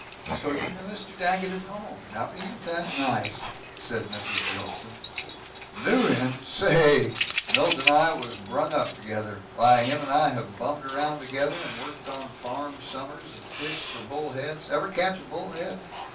"So you knew Mr. Daggett at home? Now isn't that nice," said Mrs. Gilson. "Knew him? Saaaaay, Milt and I was brung up together. Why, him and I have bummed around together, and worked on farms, summers, and fished for bull heads Ever catch a bull head?